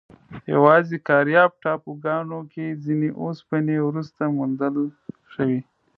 یواځې کارایب ټاپوګانو کې ځینې اوسپنې وروسته موندل شوې.